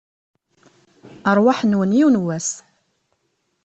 Rrwaḥ-nwen, yiwen n wass!